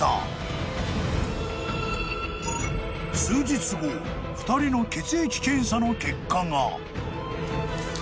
［２人の血液検査の結果が］